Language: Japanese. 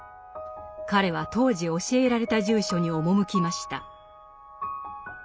彼は当時教えられた住所に赴きました。